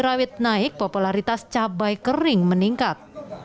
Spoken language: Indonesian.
cawit naik popularitas cabai kering meningkat